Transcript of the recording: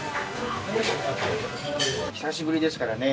久しぶりですからね。